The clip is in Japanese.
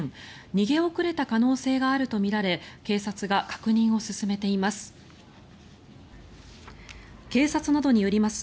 逃げ遅れた可能性があるとみられ警察が確認を進めています。